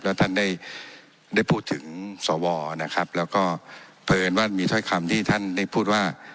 แล้วท่านได้ได้พูดถึงสวนะครับแล้วก็เผอิญว่ามีถ้อยคำที่ท่านได้พูดว่า